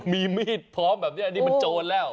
มีมีดพร้อมแบบนี้อันนี้มันโจรแล้ว